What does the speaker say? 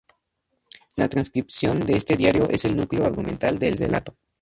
La transcripción de este diario es el núcleo argumental del relato.